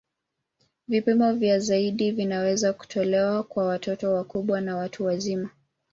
Vipimo vya ziada vinaweza kutolewa kwa watoto wakubwa na watu wazima.